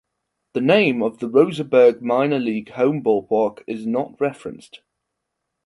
The name of the Roseburg minor league home ballpark is not referenced.